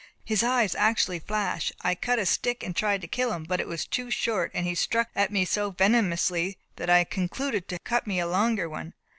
His eyes actually flash. I cut a stick and tried to kill him, but it was too short, and he struck at me so venomously, that I concluded to cut me a longer one.